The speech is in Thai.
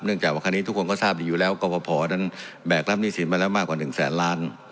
จากว่าคราวนี้ทุกคนก็ทราบดีอยู่แล้วกรฟภนั้นแบกรับหนี้สินมาแล้วมากกว่า๑แสนล้าน